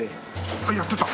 あっやってた？